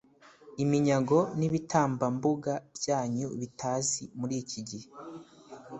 Iminyago n’ibitambambuga byanyu bitazi muri iki gihe